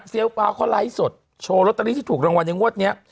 เซียวปาวเขาไลฟ์สดโชว์โรตาลีที่ถูกรางวัลในงวดเนี้ย